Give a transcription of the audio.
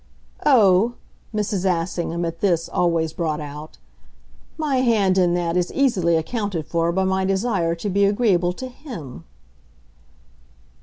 "Oh," Mrs. Assingham, at this, always brought out, "my hand in that is easily accounted for by my desire to be agreeable to HIM."